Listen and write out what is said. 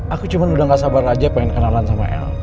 aku cuma udah gak sabar aja pengen kenalan sama el